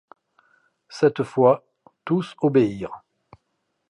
Cette fois, tous obéirent.